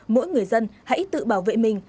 mỗi người dân hãy tự bảo vệ mình